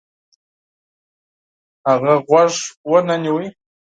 هغه غوږ ونه نیوه.